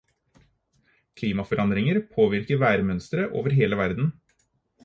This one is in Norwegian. Klimaforandringer påvirker værmønstre over hele verden.